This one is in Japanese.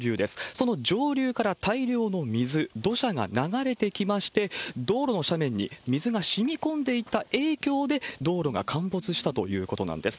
その上流から大量の水、土砂が流れてきまして、道路の斜面に水がしみ込んでいた影響で、道路が陥没したということなんです。